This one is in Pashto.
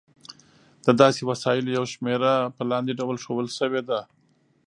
د داسې وسایلو یوه شمېره په لاندې ډول ښودل شوې ده.